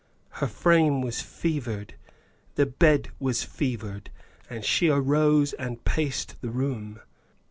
Her frame was fevered; the bed was fevered; and she arose and paced the room.